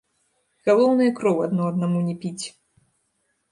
Галоўнае кроў адно аднаму не піць.